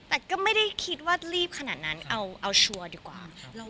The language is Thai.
แต่ก็ไม่ได้คิดว่ารีบขนาดนั้นเอาชัวร์ดีกว่า